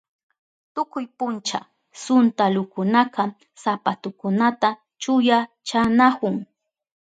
Tukuy puncha suntalukunaka sapatukunata chuyanchanahun.